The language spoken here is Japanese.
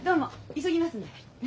急ぎますんでね。